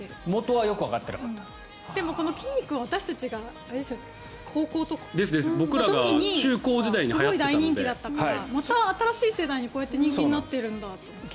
でも、このきんに君私たちが高校との時とかにすごい大人気だったからまた新しい世代にこうやって人気になっているんだと。